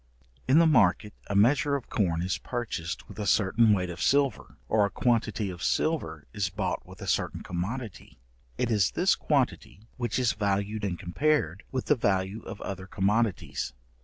In the market a measure of corn is purchased with a certain weight of silver, or a quantity of silver is bought with a certain commodity, it is this quantity which is valued and compared with the value of other commodities.